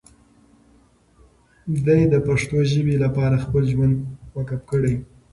دی د پښتو ژبې لپاره خپل ژوند وقف کړی.